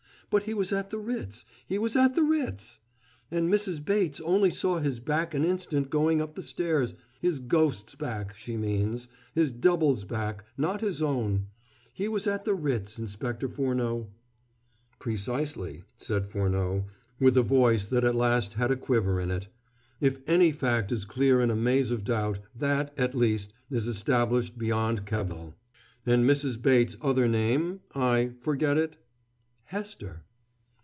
But he was at the Ritz he was at the Ritz! And Mrs. Bates only saw his back an instant going up the stairs his ghost's back, she means, his double's back, not his own. He was at the Ritz, Inspector Furneaux." "Precisely," said Furneaux, with a voice that at last had a quiver in it. "If any fact is clear in a maze of doubt, that, at least, is established beyond cavil. And Mrs. Bates's other name I forget it?" "Hester."